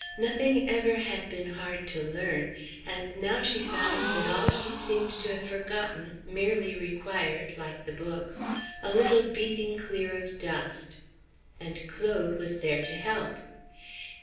Nothing ever had been hard to learn, and now she found that all she seemed to have forgotten merely required, like the books, a little beating clear of dust. And Claude was there to help.